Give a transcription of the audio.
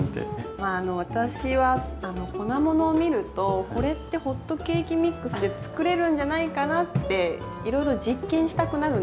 まあ私は粉ものを見るとこれってホットケーキミックスで作れるんじゃないかなっていろいろ実験したくなるんですよ。